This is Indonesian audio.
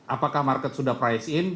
apakah market sudah price in